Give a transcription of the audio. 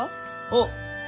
あっ！